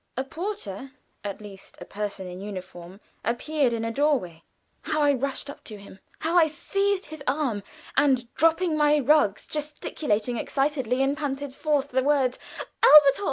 A porter at least a person in uniform, appeared in a door way. How I rushed up to him! How I seized his arm, and dropping my rugs gesticulated excitedly and panted forth the word "Elberthal!"